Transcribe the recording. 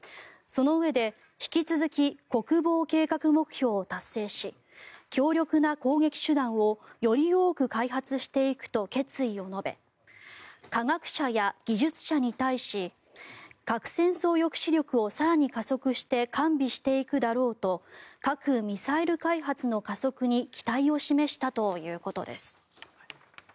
そのうえで引き続き国防計画目標を達成し強力な攻撃手段をより多く開発していくと決意を述べ科学者や技術者に対し核戦争抑止力を更に加速して完備していくだろうと核・ミサイル開発の加速に期待を示したということです。